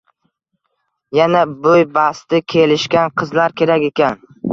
Yana boʻy basti kelishgan qizlar kerak ekan.